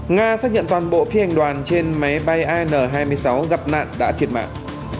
nga xác nhận toàn bộ phi hành đoàn trên máy bay an hai mươi sáu gặp nạn đã thiệt mạng